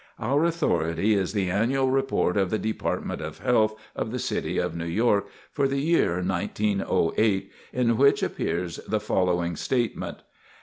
Our authority is the annual report of the Department of Health of the City of New York, for the year 1908, in which appears the following statement.